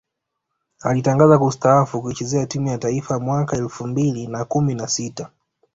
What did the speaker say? Alitangaza kustaafu kuichezea timu ya taifa mwaka elfu mbili na kumi na sita